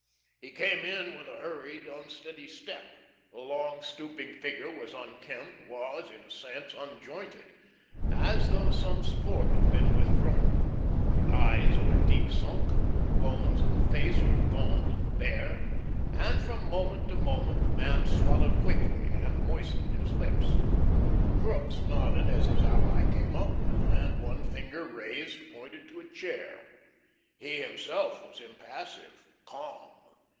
He came in with a hurried, unsteady step. The long, stooping figure was unkempt; was, in a sense, unjointed, as though some support had been withdrawn. The eyes were deep sunk, the bones of the face were gaunt and bare; and from moment to moment the man swallowed quickly and moistened his lips. Crookes nodded as his ally came up, and one finger raised, pointed to a chair. He himself was impassive, calm.